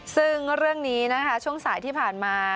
ซึ่งเรื่องนี้นะคะช่วงสายที่ผ่านมา